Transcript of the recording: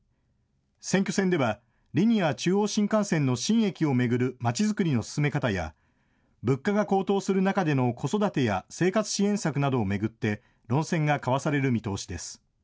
選挙戦ではリニア中央新幹線の新駅を巡るまちづくりの進め方や物価が高騰する中での子育てや生活支援策などを巡って論戦が交わされる見通しです。